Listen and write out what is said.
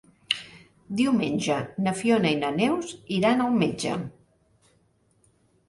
Diumenge na Fiona i na Neus iran al metge.